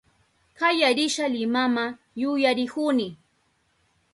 Kaya risha Limama yuyarihuni